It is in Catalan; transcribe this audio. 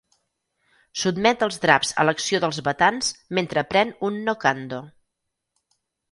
Sotmet els draps a l'acció dels batans mentre pren un Knockando.